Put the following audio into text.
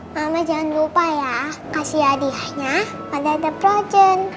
mama jangan lupa ya kasih hadiahnya ke tante frozen